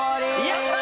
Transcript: やった！